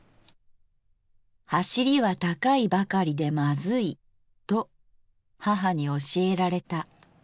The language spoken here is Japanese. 「『はしり』は高いばかりでまずいと母に教えられた。